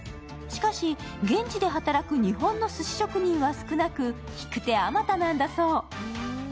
しかし現地で働く日本のすし職人は少なく引く手あまたなんだそう。